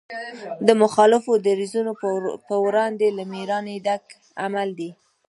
د مخالفو دریځونو په وړاندې له مېړانې ډک عمل دی.